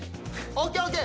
ＯＫＯＫ。